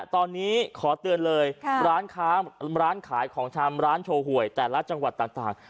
ตอนนี้ขอเตือนเลยร้านค้าร้านขายของชำร้านโชว์หวยแต่ละจังหวัดต่าง